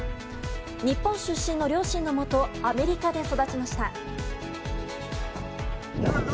日本人の両親のもとアメリカで育ちました。